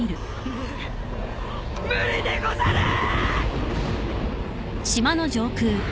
む無理でござるー！